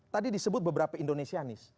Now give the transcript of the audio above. tadi disebut beberapa indonesianis